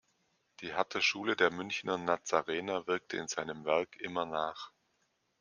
Die harte Schule der Münchener Nazarener wirkte in seinem Werk immer nach.